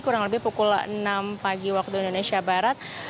kurang lebih pukul enam pagi waktu indonesia barat